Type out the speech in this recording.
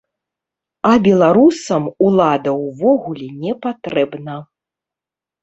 А беларусам улада ўвогуле не патрэбна.